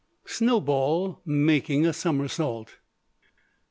SNOWBALL MAKING A SOMERSAULT.